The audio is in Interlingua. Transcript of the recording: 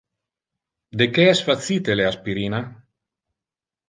De que es facite le aspirina?